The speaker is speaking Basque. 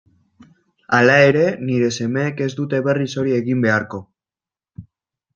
Hala ere, nire semeek ez dute berriz hori egin beharko.